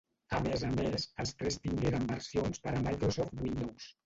A més a més, els tres tingueren versions per a Microsoft Windows.